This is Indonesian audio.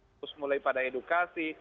fokus mulai pada edukasi